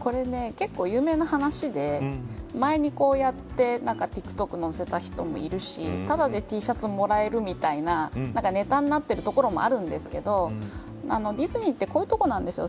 これ、結構有名な話で前に、こうやってＴｉｋＴｏｋ載せた人もいるしただでＴシャツをもらえるみたいなネタになっているところもあるんですけどディズニーってこういうところなんですよ。